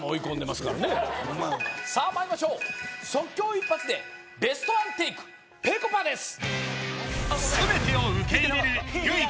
まいりましょう即興一発でベストワンテイクぺこぱです